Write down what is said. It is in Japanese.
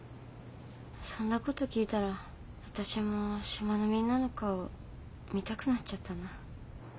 そんなこと聞いたらわたしも島のみんなの顔見たくなっちゃったな。